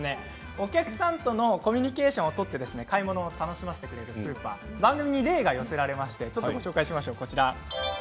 お客さんとのコミュニケーションを取って買い物を楽しませてくれるスーパー番組に例が寄せられましてちょっとご紹介しましょう。